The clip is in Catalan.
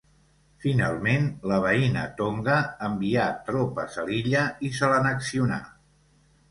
Finalment, la veïna Tonga envià tropes a l'illa i se l'annexionà.